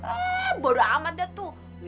eh bodo amat deh tuh